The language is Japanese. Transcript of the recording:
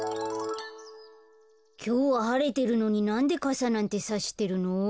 きょうははれてるのになんでかさなんてさしてるの？